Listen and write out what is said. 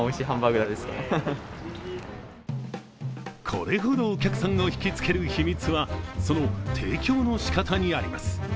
これほどお客さんを引きつける秘密は、その提供のしかたにあります。